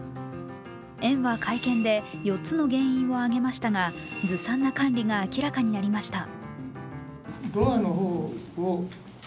園は会見で４つの原因を挙げましたがずさんな管理が明らかになりました。